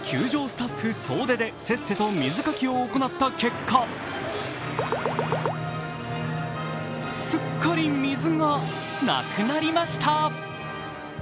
スタッフ総出でせっせと水かきを行った結果、すっかり水がなくなりました。